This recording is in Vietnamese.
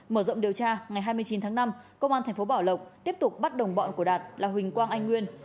mở rộng điều tra ngày hai mươi chín tháng năm công an tp bảo lộc tiếp tục bắt đồng bọn của đạt là huỳnh quang anh nguyên